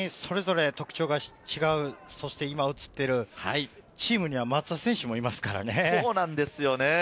本当にそれぞれ特徴が違う、そしてチームには松田選手もいますからね。